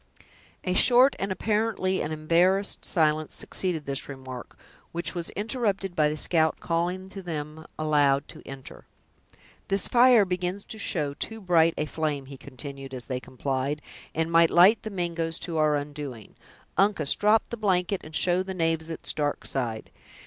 A short and apparently an embarrassed silence succeeded this remark, which was interrupted by the scout calling to them, aloud, to enter. "This fire begins to show too bright a flame," he continued, as they complied, "and might light the Mingoes to our undoing. Uncas, drop the blanket, and show the knaves its dark side.